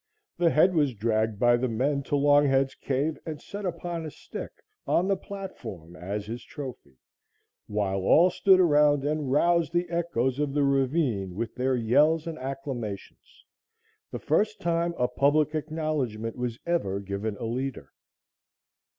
The head was dragged by the men to Longhead's cave and set upon a stick on the platform as his trophy, while all stood around and roused the echoes of the ravine with their yells and acclamations, the first time a public acknowledgement was ever given a leader.